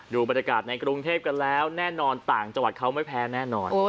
ดูบรรยากาศในกรุงเทพกันแล้วแน่นอนต่างจังหวัดเขาไม่แพ้แน่นอน